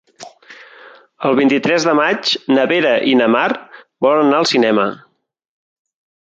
El vint-i-tres de maig na Vera i na Mar volen anar al cinema.